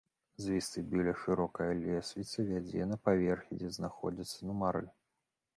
З вестыбюля шырокая лесвіца вядзе на паверхі, дзе знаходзяцца нумары.